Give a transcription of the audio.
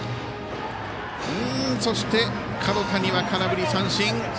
そして角谷は空振り三振。